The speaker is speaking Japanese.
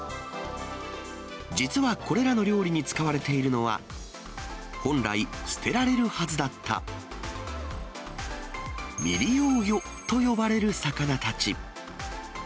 実はこれらの料理に使われているのは、本来、捨てられるはずだった未利用魚と呼ばれる魚たち。